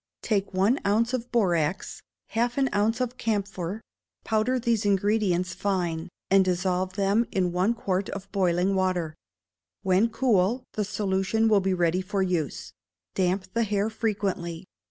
Take one ounce of borax, half an ounce of camphor; powder these ingredients fine, and dissolve them in one quart of boiling water; when cool, the solution will be ready for use; damp the hair frequently.